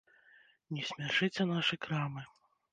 Не смяшыце нашы крамы.